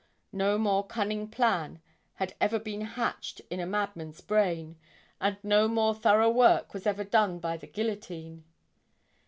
No more cunning plan had ever been hatched in a madman's brain, and no more thorough work was ever done by the guillotine.